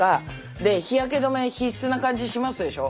で日焼け止め必須な感じしますでしょ。